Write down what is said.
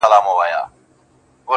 قربانو مخه دي ښه.